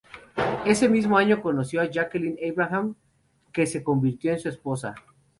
Ese mismo año conoció a Jaqueline Abraham, que se convirtió en su esposa.